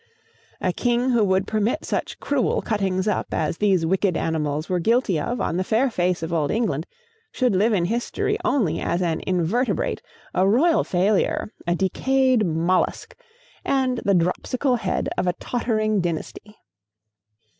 A king who would permit such cruel cuttings up as these wicked animals were guilty of on the fair face of old England, should live in history only as an invertebrate, a royal failure, a decayed mollusk, and the dropsical head of a tottering dynasty.